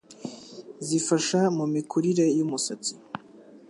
zifasha mu mikurire y'umusatsi